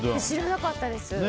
知らなかったです。